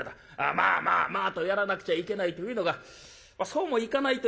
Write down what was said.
『まあまあまあ』とやらなくちゃいけないというのがそうもいかないというのがね